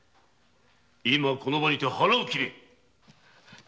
今この場にて腹を切れ！